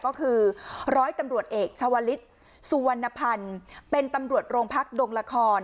ก็คือร้อยตำรวจเอกชาวลิศสุวรรณพันธ์เป็นตำรวจโรงพักดงละคร